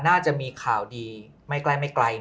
น่าจะมีข่าวดีไม่ไกลนี่แหละ